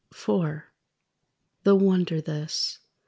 _) IV The wonder this.